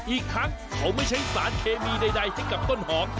อีกทั้งเขาไม่ใช้สารเคมีใดให้กับต้นหอม